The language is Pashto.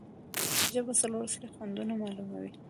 ژبه څلور اصلي خوندونه معلوموي.